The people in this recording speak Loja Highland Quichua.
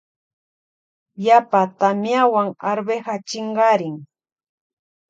Yapa tamiawan arveja chinkarin.